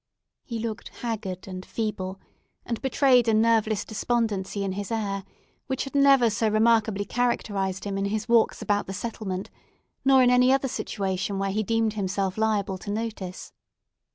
He looked haggard and feeble, and betrayed a nerveless despondency in his air, which had never so remarkably characterised him in his walks about the settlement, nor in any other situation where he deemed himself liable to notice.